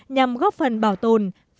nhằm góp phần bảo tồn phát triển và giúp đỡ